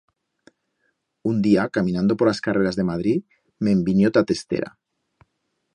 Un día, caminando por as carreras de Madrid, me'n vinió t'a testera.